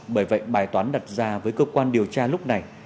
bởi vậy bài toán đặt ra với cơ quan điều tra lúc này